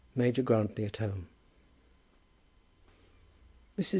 MAJOR GRANTLY AT HOME. Mrs.